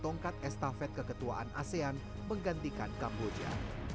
tongkat estafet keketuaan asean menggantikan kamboja